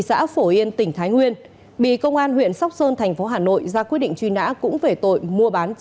xin chào các bạn